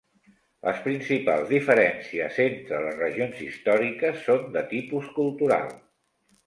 Les principals diferències entre les regions històriques són de tipus cultural.